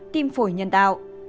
tim phổi nhân tạo